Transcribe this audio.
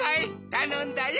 たのんだよ。